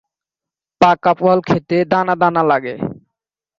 পাকা ফল খেতে দানা দানা লাগে।